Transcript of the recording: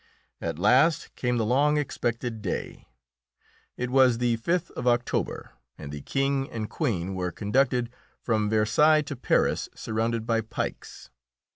At last came the long expected day. It was the 5th of October, and the King and Queen were conducted from Versailles to Paris surrounded by pikes.